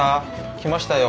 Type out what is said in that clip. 来ましたよ。